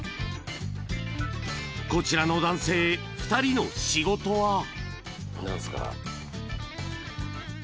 ［こちらの男性２人の仕事は］